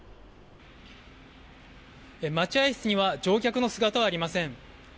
待合室には乗客の姿はありません。